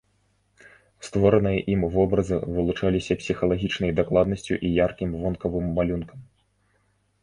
Створаныя ім вобразы вылучаліся псіхалагічнай дакладнасцю і яркім вонкавым малюнкам.